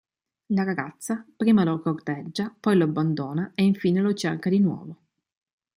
La ragazza prima lo corteggia, poi lo abbandona e infine lo cerca di nuovo.